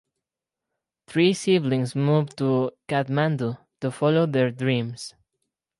Three siblings move to Kathmandu to follow their dreams.